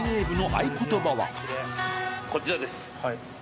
こちらです。